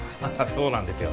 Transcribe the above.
そうなんですよ。